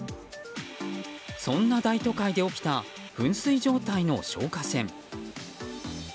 そんな大都会で起きた噴水状態の消火栓。